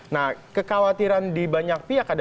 nah kekhawatiran di banyak pihak